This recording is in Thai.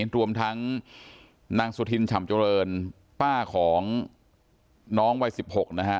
รวมทั้งนางสุธินฉ่ำเจริญป้าของน้องวัย๑๖นะฮะ